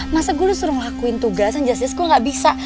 masa gue disuruh ngelakuin tugasan just just gue enggak bisa